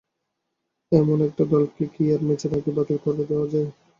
এমন একটা দলকে কি আর ম্যাচের আগেই বাতিল করে দেওয়া যায়?